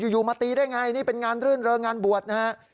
อยู่มาตีได้ไงนี่เป็นงานรื่นเริงงานบวชนะฮะ